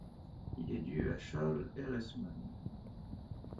Il est dû à Charles Ehresmann.